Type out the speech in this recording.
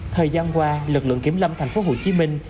thời gian qua lực lượng kiểm lâm thành phố hồ chí minh